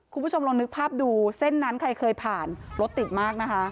คุณผู้ชมลองนึกภาพดูเส้นนั้นใครเคยผ่านรถติดมากนะคะ